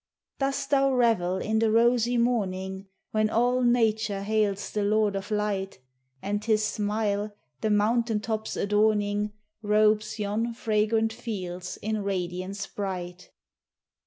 Dost thou revel in the rosy morning, When all nature hails the Lord of light, And his smile, the mountain tops adorning, Robes yon fragrant fields in radiance bright?